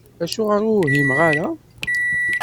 Acuɣer ur whimeɣ ara?